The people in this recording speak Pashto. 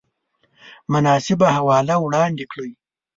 مناسبه حواله وړاندې کړئ